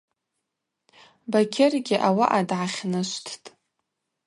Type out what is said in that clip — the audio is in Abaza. Бакьыргьи ауаъа дгӏахьнышвттӏ.